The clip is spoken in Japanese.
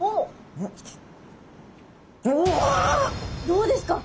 どうですか？